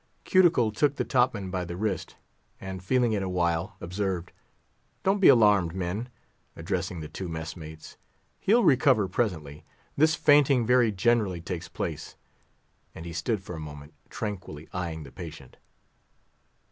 Cuticle took the top man by the wrist, and feeling it a while, observed, "Don't be alarmed, men," addressing the two mess mates; "he'll recover presently; this fainting very generally takes place." And he stood for a moment, tranquilly eyeing the patient.